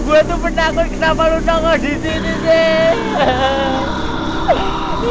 gue itu penakut kenapa lu nongol disini sih